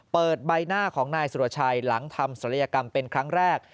ใบหน้าของนายสุรชัยหลังทำศัลยกรรมเป็นครั้งแรก